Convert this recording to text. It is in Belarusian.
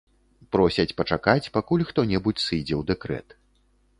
Просяць пачакаць, пакуль хто-небудзь сыдзе ў дэкрэт.